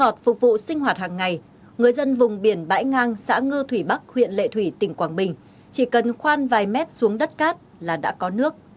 ngọt phục vụ sinh hoạt hàng ngày người dân vùng biển bãi ngang xã ngư thủy bắc huyện lệ thủy tỉnh quảng bình chỉ cần khoan vài mét xuống đất cát là đã có nước